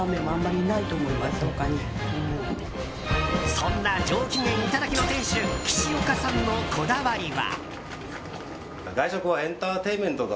そんな上気元いただきの店主岸岡さんのこだわりは。